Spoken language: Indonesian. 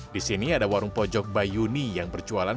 di sini ada warung pojok bayuni yang berjualan